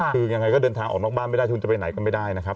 คือยังไงก็เดินทางออกนอกบ้านไม่ได้คุณจะไปไหนก็ไม่ได้นะครับ